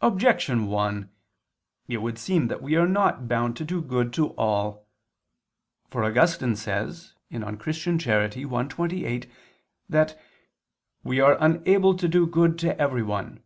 Objection 1: It would seem that we are not bound to do good to all. For Augustine says (De Doctr. Christ. i, 28) that we "are unable to do good to everyone."